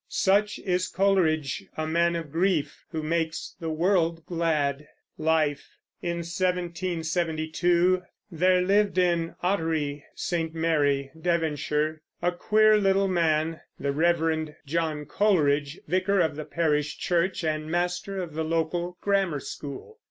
Such is Coleridge, a man of grief who makes the world glad. LIFE. In 1772 there lived in Ottery St. Mary, Devonshire, a queer little man, the Rev. John Coleridge, vicar of the parish church and master of the local grammar school.